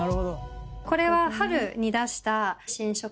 これは春に出した新色